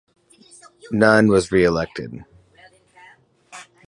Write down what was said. None was reelected.